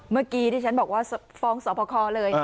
เมื่อกี้ที่ฉันบอกว่าฟ้องสอบคอเลย